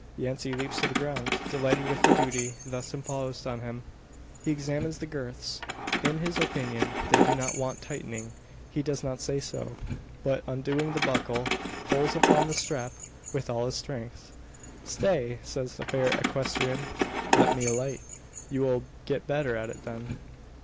Yancey leaps to the ground, delighted with the duty thus imposed upon him. He examines the girths. In his opinion they do not want tightening. He does not say so; but, undoing the buckle, pulls upon the strap with all his strength. "Stay!" says the fair equestrian, "let me alight. You will get better at it then."